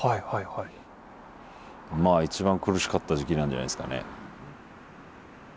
まあ一番苦しかった時期なんじゃないですかね。